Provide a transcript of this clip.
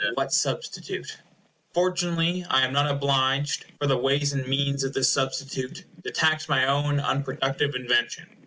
What substitute? Fortunately I am not obliged, for the ways and means of this substitute, to tax my own unproductive invention.